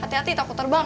hati hati takut terbang